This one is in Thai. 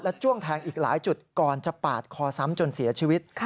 จ้วงแทงอีกหลายจุดก่อนจะปาดคอซ้ำจนเสียชีวิต